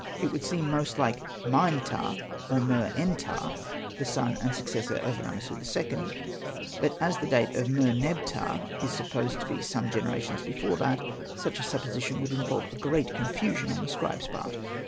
It would seem most like Mine ptah or Mer.en.ptah, the son and successor of Ramessu II. ; but as the date of Mer. neb. ptah ^ is supposed to be some generations before that, such a supposition would involve a great con fusion on the scribes' part.